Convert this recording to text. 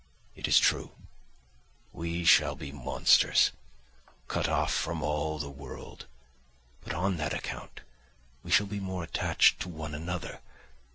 It is true, we shall be monsters, cut off from all the world; but on that account we shall be more attached to one another.